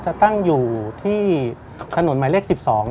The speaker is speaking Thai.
จะตั้งอยู่ที่ถนนหมายเลข๑๒